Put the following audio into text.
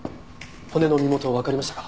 骨の身元わかりましたか？